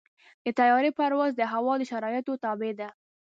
د طیارې پرواز د هوا د شرایطو تابع دی.